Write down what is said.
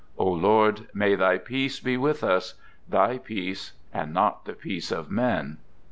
O Lord, may thy Peace be with us ; thy peace and not the peace of men. Amen.